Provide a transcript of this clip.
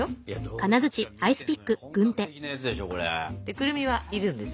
くるみはいるんです